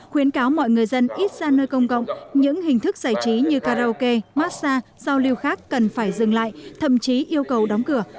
khuyến cáo mọi người dân ít ra nơi công cộng những hình thức giải trí như karaoke massage giao lưu khác cần phải dừng lại thậm chí yêu cầu đóng cửa